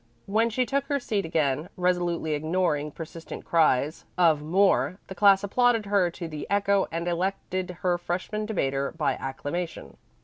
When she took her seat again, resolutely ignoring persistent cries of "More!" the class applauded her to the echo and elected her freshman debater by acclamation.